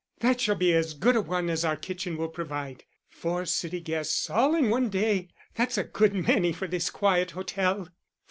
That shall be as good a one as our kitchen will provide. Four city guests all in one day! That's a good many for this quiet hotel."